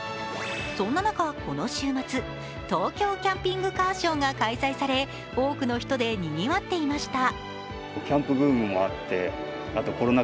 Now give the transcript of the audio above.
そんな中、この週末、東京キャンピングカーショーが開催され多くのひとでにぎわっていました。